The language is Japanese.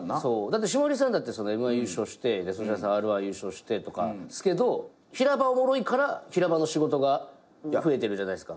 霜降りさんだってＭ−１優勝して粗品さんＲ−１優勝してとかっすけど平場おもろいから平場の仕事が増えてるじゃないっすか。